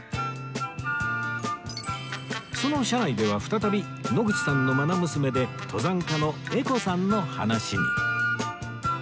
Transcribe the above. その車内では再び野口さんのまな娘で登山家の絵子さんの話に